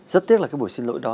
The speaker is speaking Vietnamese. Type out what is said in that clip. rất tiếc là cái buổi xin lỗi đó